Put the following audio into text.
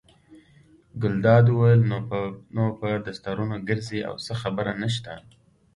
ګلداد وویل: نو په دستارونو ګرځئ او څه خبره نشته.